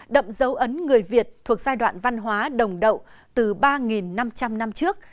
đậm dấu ấn người việt thuộc giai đoạn văn hóa đồng đậu từ ba năm trăm linh năm trước